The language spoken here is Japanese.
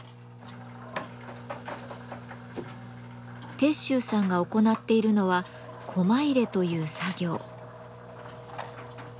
鉄舟さんが行っているのはコマ入れという作業。